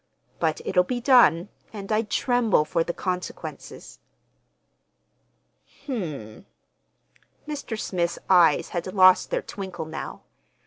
But it'll be done, and I tremble for the consequences." "Hm m!" Mr. Smith's eyes had lost their twinkle now.